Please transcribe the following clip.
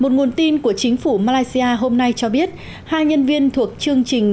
một nguồn tin của chính phủ malaysia hôm nay cho biết hai nhân viên thuộc chương trình